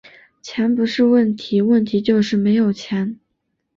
钱不是问题，问题就是没有钱